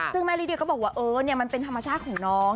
ซึ่งแม่ลิเดียก็บอกว่าเออมันเป็นธรรมชาติของน้อง